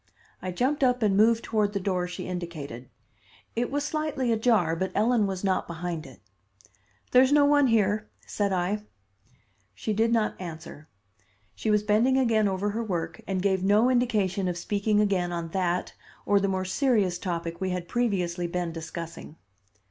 I jumped up and moved toward the door she indicated. It was slightly ajar, but Ellen was not behind it. "There's no one here," said I. She did not answer. She was bending again over her work, and gave no indication of speaking again on that or the more serious topic we had previously been discussing.